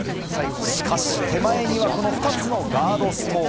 しかし、手前にはこの２つのガードストーン。